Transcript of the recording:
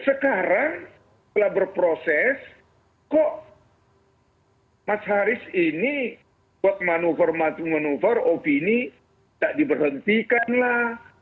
sekarang setelah berproses kok mas haris ini memanufau manufau opini tak diberhentikanlah